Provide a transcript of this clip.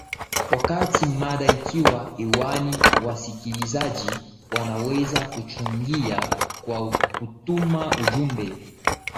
wakati mada ikiwa hewani wasikilizaji wanaweza kuchangia kwa kutuma ujumbe